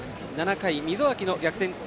７回、溝脇の逆転